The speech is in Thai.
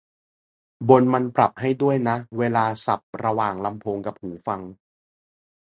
บน มันปรับ ให้ด้วยนะ เวลาสับระหว่างลำโพงกับหูฟัง